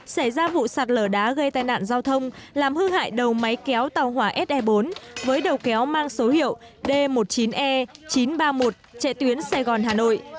xảy ra vụ sạt lở đá gây tai nạn giao thông làm hư hại đầu máy kéo tàu hỏa se bốn với đầu kéo mang số hiệu d một mươi chín e chín trăm ba mươi một chạy tuyến sài gòn hà nội